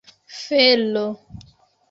fero